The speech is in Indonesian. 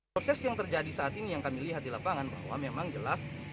proses yang terjadi saat ini yang kami lihat di lapangan bahwa memang jelas